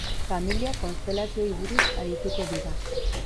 Familia konstelazioei buruz arituko dira.